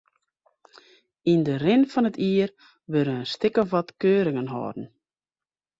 Yn de rin fan it jier wurde in stik of wat keuringen holden.